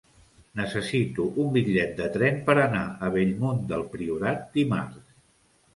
Necessito un bitllet de tren per anar a Bellmunt del Priorat dimarts.